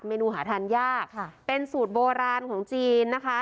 เนนูหาทานยากเป็นสูตรโบราณของจีนนะคะ